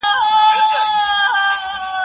قافلې به د اغیارو پر پېچومو نیمه خوا سي